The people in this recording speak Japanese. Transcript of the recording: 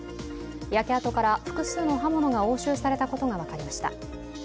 焼け跡から複数の刃物が押収されたことが分かりました。